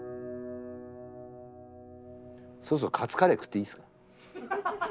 そろそろカツカレー食っていいすか？